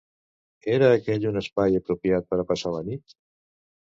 Era aquell un espai apropiat per a passar la nit?